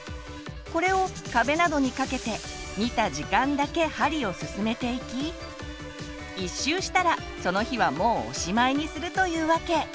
これを壁などにかけて見た時間だけ針を進めていき１周したらその日はもうおしまいにするというわけ。